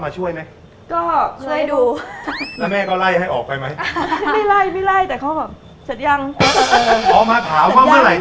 น้ำเดือดถ้าไม่จงก็ใส่ไก่ไปเลย